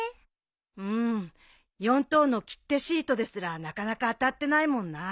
うん４等の切手シートですらなかなか当たってないもんな。